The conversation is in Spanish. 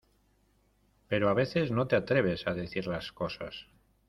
pero a veces no te atreves a decir las cosas